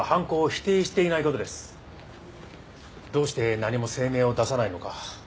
どうして何も声明を出さないのか。